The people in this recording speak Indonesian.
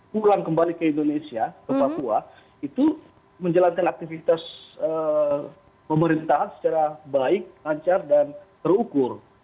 pulang kembali ke indonesia ke papua itu menjalankan aktivitas pemerintah secara baik lancar dan terukur